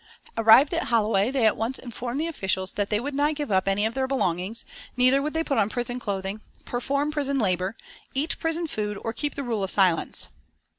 Arrived at Holloway they at once informed the officials that they would not give up any of their belongings, neither would they put on prison clothing, perform prison labour, eat prison food or keep the rule of silence.